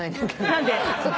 何で！？